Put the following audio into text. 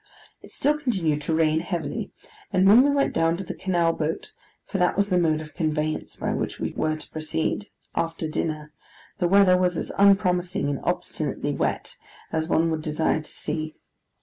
It still continued to rain heavily, and when we went down to the Canal Boat (for that was the mode of conveyance by which we were to proceed) after dinner, the weather was as unpromising and obstinately wet as one would desire to see.